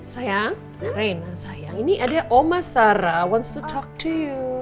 sayang reina sayang ini ada oma sarah wants to talk to you